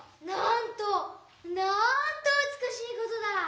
「なんとなんとうつくしいことだ！」。